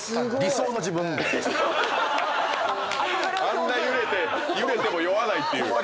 あんな揺れても酔わないっていう。